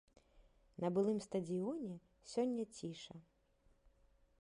На былым стадыёне сёння ціша.